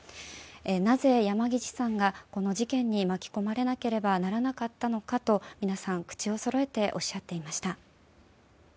なぜ山岸さんがこの事件に巻き込まれなければならなかったと皆さん、口をそろえておっしゃっていました。